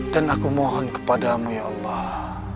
dan aku mohon kepadamu ya allah